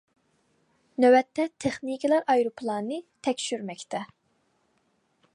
نۆۋەتتە تېخنىكلار ئايروپىلاننى تەكشۈرمەكتە.